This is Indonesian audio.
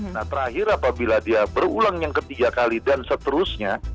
nah terakhir apabila dia berulang yang ketiga kali dan seterusnya